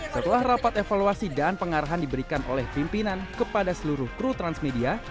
setelah rapat evaluasi dan pengarahan diberikan oleh pimpinan kepada seluruh kru transmedia